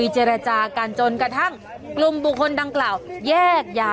จ้าจ้าจ้าจ้าจ้า